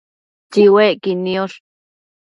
Tsiuecquid niosh